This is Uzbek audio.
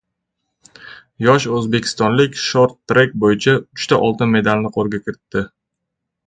Yosh o‘zbekistonlik short-trek bo‘yicha uchta oltin medalni qo‘lga kiritdi